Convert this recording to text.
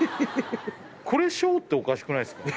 これ小っておかしくないすか？